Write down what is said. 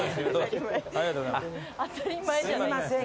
すいません